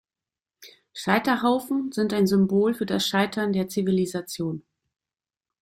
Scheiterhaufen sind ein Symbol für das Scheitern der Zivilisation.